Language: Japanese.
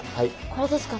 これですか？